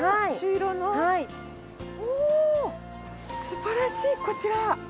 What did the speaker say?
すばらしいこちら！